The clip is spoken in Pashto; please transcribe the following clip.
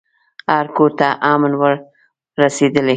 هر کورته امن ور رسېدلی